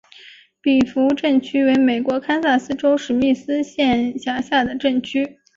比弗镇区为美国堪萨斯州史密斯县辖下的镇区。